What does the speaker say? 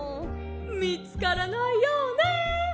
「みつからないようね」。